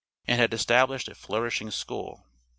and had established a flourishing school.